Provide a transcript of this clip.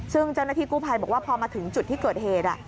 ซึ่งเจ้าหน้าที่กู้ภัยบอกว่าพอมาถึงจุดที่เกิดเหตุ